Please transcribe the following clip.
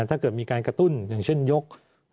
ถ้าเกิดมีการกระตุ้นอย่างเช่นยก